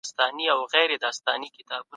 اقتصادي توازن رامنځته سوی دی.